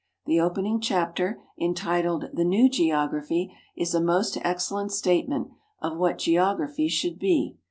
The opening chapter, entitled "The New Geography," is a most excellent statement of what geography should be.